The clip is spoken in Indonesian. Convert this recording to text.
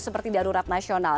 seperti darurat nasional